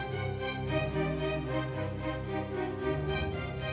lisa itu sekarang udah beda kok